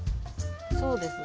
そうです。